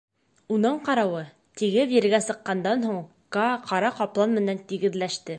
Уның ҡарауы, тигеҙ ергә сыҡҡандан һуң Каа ҡара ҡаплан менән тигеҙләште.